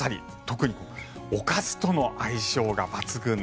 特におかずとの相性が抜群。